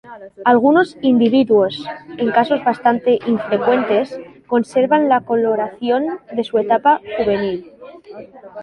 Algunos individuos, en casos bastante infrecuentes, conservan la coloración de su etapa juvenil.